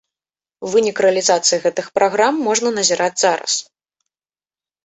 Вынік рэалізацыі гэтых праграм можа назіраць зараз.